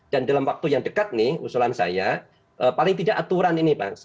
dan dalam waktu yang dekat nih usulan saya paling tidak aturan ini